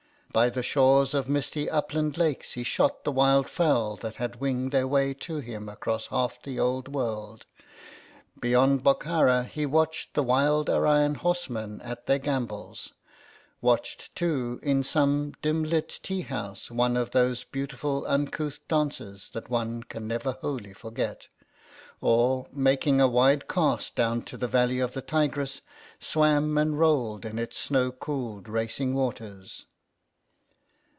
By the shores of misty upland lakes he shot the wild fowl that had winged their way to him across half the old world ; beyond Bokhara he watched the wild Aryan horsemen at their gambols; watched, too, in some dim lit tea house one of those beautiful uncouth dances that one can never wholly forget ; or, making a wide cast down to the valley of the Tigris, swam and rolled in its snow cooled racing waters.